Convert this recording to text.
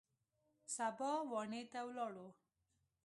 سبا واڼې ته ولاړو.